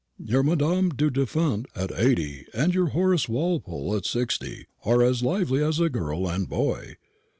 Your Madame du Deffand at eighty and your Horace Walpole at sixty are as lively as a girl and boy.